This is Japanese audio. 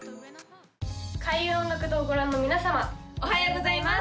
開運音楽堂をご覧の皆様おはようございます！